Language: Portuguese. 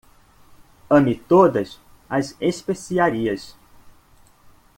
Ame todas as especiarias.